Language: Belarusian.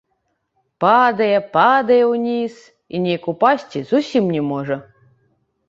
Падае, падае ўніз і неяк упасці зусім не можа.